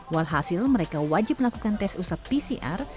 walhasil mereka wajib melakukan tes usap pcr